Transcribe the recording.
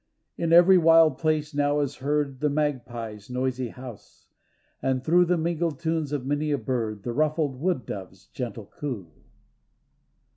In every wild place now is heard The magpie's noisy house, and through The mingled tunes of many a bird The ruffled wood dove's gentle coo.